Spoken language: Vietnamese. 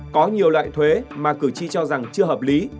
có nhiều loại thuế mà cử tri cho rằng chưa hợp lý